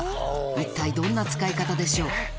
一体どんな使い方でしょう？